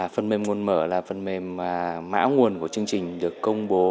phần mềm nguồn mở là phần mềm mã nguồn của chương trình được công bố